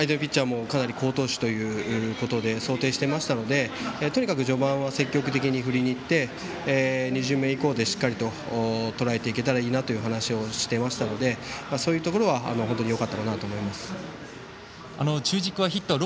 相手のピッチャーもかなり好投手ということで想定してましたので序盤は積極的に振りにいって２巡目以降にしっかりとらえていければいいなという話をしていましたのでそういうところは本当によかったかなと思います。